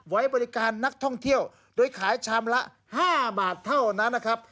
ไว้บริการนักท่องเที่ยวโดยขายชามละ๕บาทเท่านั้นนะครับ